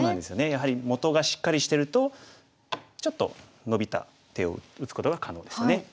やはり元がしっかりしてるとちょっとのびた手を打つことが可能ですね。